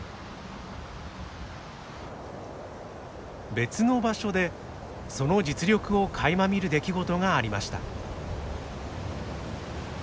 別の場所でその実力をかいま見る出来事がありました。